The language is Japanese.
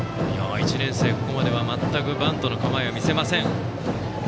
１年生、ここまでは全くバントの構えを見せません。